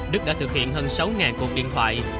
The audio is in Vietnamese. đức đã thực hiện hơn sáu cuộc điện thoại